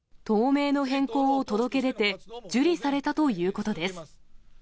党名の変更を届け出て、受理されたということです。